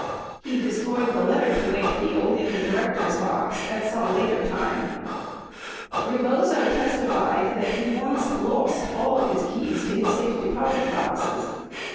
He destroyed the letter to Wakefield in the directors' box at some later time. 78 Rebozo testified that he once lost all of his keys to his safe deposit boxes.